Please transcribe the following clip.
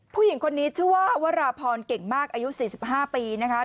ผู้หญิงคนนี้ชื่อว่าวราพรเก่งมากอายุ๔๕ปีนะคะ